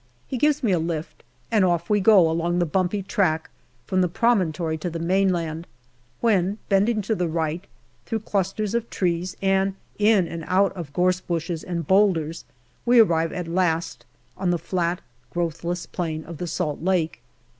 He gives me a lift, and off we go along the bumpy track from the promontory to the mainland, when, bending to the right, through clusters of trees and in and out of gorse bushes and boulders, we arrive at last on the flat, growthless plain of the Salt Lake.